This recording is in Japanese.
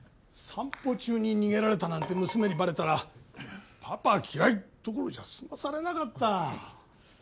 散歩中に逃げられたなんて娘にバレたら「パパ嫌い」どころじゃ済まされなかった。